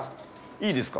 いいですか？